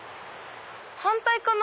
反対かな？